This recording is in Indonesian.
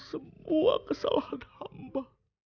semua kesalahan hamba